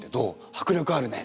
迫力あるね。